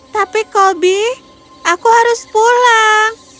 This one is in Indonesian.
tapi kobi aku harus pulang